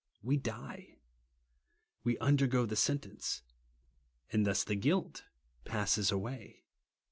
We die. We undergo the sentence ; and thus the guilt passes away.